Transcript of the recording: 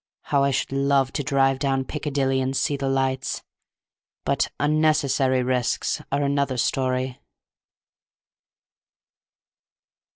How I should love to drive down Piccadilly and see the lights! But unnecessary risks are another story."